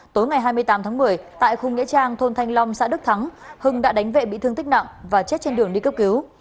tối ngày hai mươi tám tháng một mươi tại khu nghĩa trang thôn thanh long xã đức thắng hưng đã đánh vệ bị thương tích nặng và chết trên đường đi cấp cứu